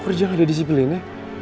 kerja gak ada disiplinnya